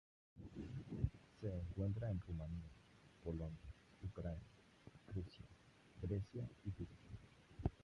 Se encuentra en Rumanía, Polonia, Ucrania, Rusia, Grecia y Turquía.